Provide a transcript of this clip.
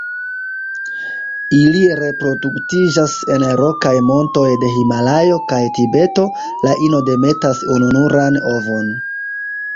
Ili reproduktiĝas en rokaj montoj de Himalajo kaj Tibeto; la ino demetas ununuran ovon.